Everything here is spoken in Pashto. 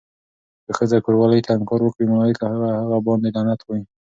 که ښځه کوروالې ته انکار وکړي، ملايکه هغه باندې لعنت وایی.